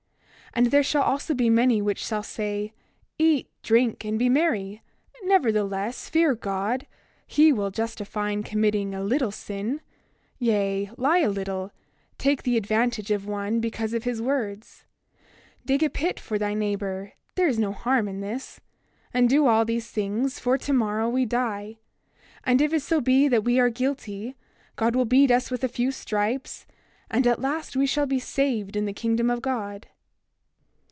28:8 And there shall also be many which shall say: Eat, drink, and be merry; nevertheless, fear God—he will justify in committing a little sin; yea, lie a little, take the advantage of one because of his words, dig a pit for thy neighbor; there is no harm in this; and do all these things, for tomorrow we die; and if it so be that we are guilty, God will beat us with a few stripes, and at last we shall be saved in the kingdom of God.